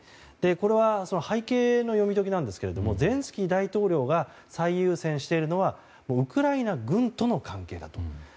これは背景の読み解きなんですがゼレンスキー大統領が最優先しているのはウクライナ軍との関係だと。